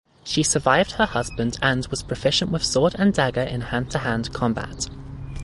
She survived her husband and was proficient with sword and dagger in hand-to-hand combat.